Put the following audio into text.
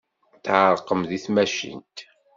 Tɛerqem deg tmacint.